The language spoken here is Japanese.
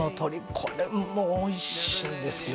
これもおいしいんですよ